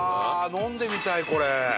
飲んでみたいこれ。